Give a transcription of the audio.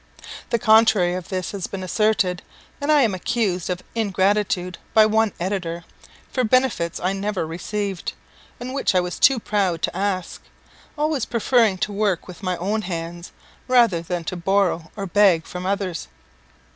The contrary of this has been asserted, and I am accused of ingratitude by one editor for benefits I never received, and which I was too proud to ask, always preferring to work with my own hands, rather than to borrow or beg from others.